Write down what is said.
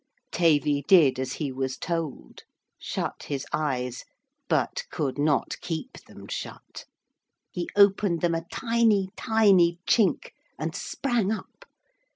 Tavy did as he was told. Shut his eyes, but could not keep them shut. He opened them a tiny, tiny chink, and sprang up.